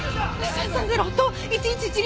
「３３０と１１−１２」